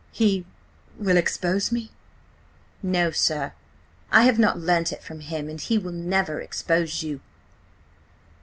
He. .. will expose me?" "No, sir. I have not learnt it from him. And he will never expose you."